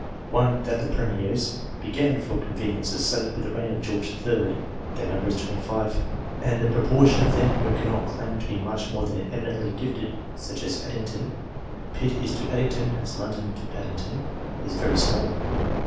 One, that of the Premiers, begun, for convenience' sake, with the reign of George III. ; their number is 25, and the proportion of them who cannot claim to be much more than " emi nently " gifted, such as Addington, "Pitt is to Addington as London to Paddington," is very small.